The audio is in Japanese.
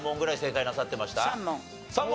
３問。